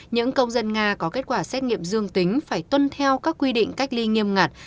những công dân nga có kết quả xét nghiệm dương tính phải tuân theo các quy định cách ly nghiêm ngặt